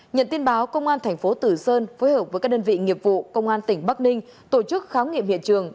nhận tin báo công an thành phố tử sơn phối hợp với các đơn vị nghiệp vụ công an tỉnh bắc ninh tổ chức khám nghiệm hiện trường